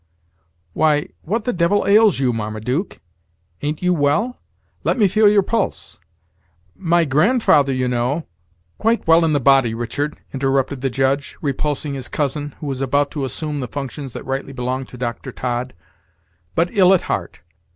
why, what the devil ails you, Marmaduke? Ain't you well? Let me feel your pulse; my grandfather, you know " "Quite well in the body, Richard," interrupted the Judge, repulsing his cousin, who was about to assume the functions that rightly belonged to Dr. Todd; "but ill at heart.